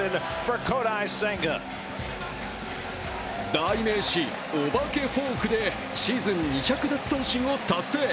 代名詞おばけフォークでシーズン２００奪三振を達成。